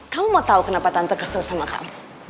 kamu mau tahu kenapa tante kesel sama kamu